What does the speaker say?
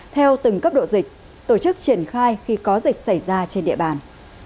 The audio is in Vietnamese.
theo từng cấp độ dịch tổ chức triển khai khi có dịch xảy ra trên địa bàn